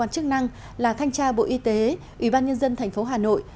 và thanh tra bộ y tế ủy ban nhân dân thành phố hà nội